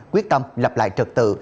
quyết tâm lập lại trật tự